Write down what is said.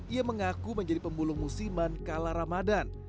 ia mengaku menjadi pembulung musiman